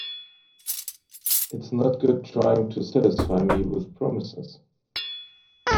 It's no good trying to satisfy me with promises.